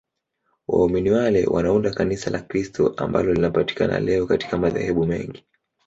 Waumini wake wanaunda Kanisa la Kikristo ambalo linapatikana leo katika madhehebu mengi.